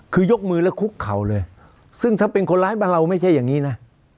คือยกมือแล้วคุกเข่าเลยซึ่งถ้าเป็นคนร้ายบ้านเราไม่ใช่อย่างนี้นะ